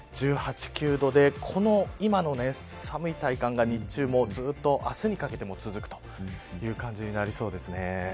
１８、１９度で今の寒い体感が日中もずっと明日にかけても続くという感じになりそうです。